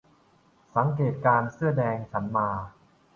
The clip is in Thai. สังเกตการณ์เสื้อแดง ฉันมา